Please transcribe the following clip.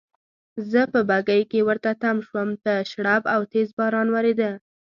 زه په بګۍ کې ورته تم شوم، په شړپ او تېز باران وریده.